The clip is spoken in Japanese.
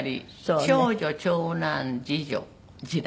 長女長男次女次男。